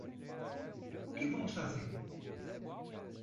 O que vamos fazer?